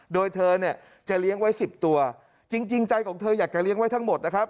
โดยเธอเนี่ยจะเลี้ยงไว้๑๐ตัวจริงใจของเธออยากจะเลี้ยงไว้ทั้งหมดนะครับ